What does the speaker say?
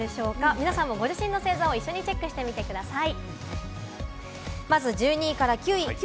皆さんもご自身の星座を一緒にチェックしてみてください。